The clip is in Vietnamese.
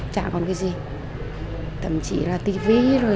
chả còn cái gì